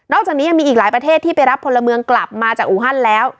จากนี้ยังมีอีกหลายประเทศที่ไปรับพลเมืองกลับมาจากอูฮันแล้ว